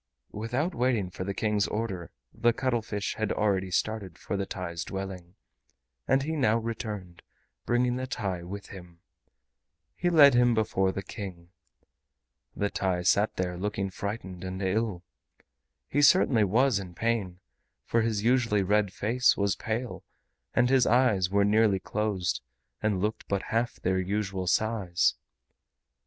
Without waiting for the King's order the cuttlefish had already started for the TAI'S dwelling, and he now returned, bringing the TAI with him. He led him before the King. The TAI sat there looking frightened and ill. He certainly was in pain, for his usually red face was pale, and his eyes were nearly closed and looked but half their usual size.